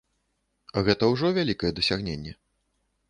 Гэта ўжо вялікае дасягненне.